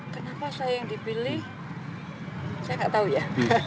kenapa saya yang dipilih saya nggak tahu ya